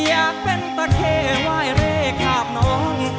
อยากเป็นตะเคว้ายเลขคาบน้อง